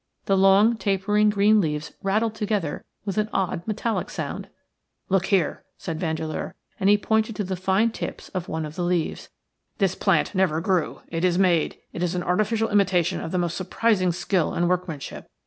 The long, tapering, green leaves rattled together with an odd metallic sound. "Look here!" said Vandeleur, and he pointed to the fine tips of one of the leaves. "This plant never grew. It is made – it is an artificial imitation of the most surprising skill and workmanship.